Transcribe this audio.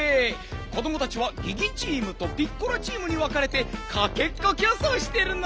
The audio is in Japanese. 子どもたちはギギチームとピッコラチームにわかれてかっけっこきょうそうしてるのねん！